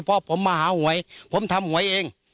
เพราะผมมาหาหวยผมทำหวยเอง